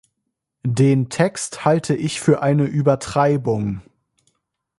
Den Text halte ich für eine Übertreibung.